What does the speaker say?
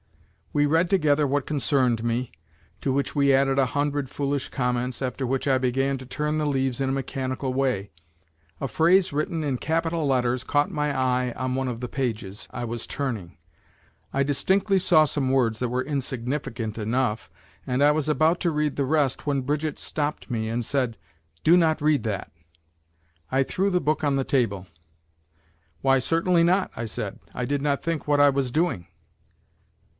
We read together what concerned me, to which we added a hundred foolish comments, after which I began to turn the leaves in a mechanical way. A phrase, written in capital letters caught my eye on one of the pages I was turning; I distinctly saw some words that were insignificant enough and I was about to read the rest when Brigitte stopped me and said: "Do not read that." I threw the book on the table. "Why, certainly not," I said, "I did not think what I was doing."